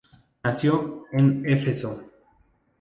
Nació en Éfeso.